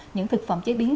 những thực phẩm chế biến